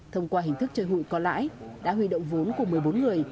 thông qua hình thức chơi hụi có lãi đã huy động vốn của một mươi bốn người